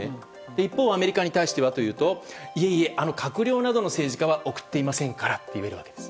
一方、アメリカに対してはいえいえ閣僚などの政治家は送っていませんからと言えるわけです。